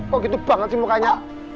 kok gitu banget sih makanya